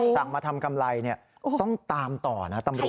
สั่งมาทำกำไรต้องตามต่อนะตำรวจ